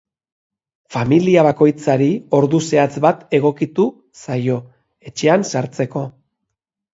Familia bakoitzari ordu zehatz bat egokituko zaio, etxean sartzeko.